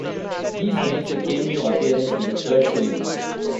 Geese makes a cameo appearance in the third film.